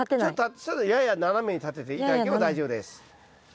ちょっとやや斜めに立てて頂けば大丈夫です。